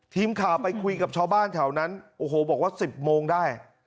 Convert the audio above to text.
ทีมข่าวไปคุยกับชาวบ้านแถวนั้นโอ้โหบอกว่า๑๐โมงได้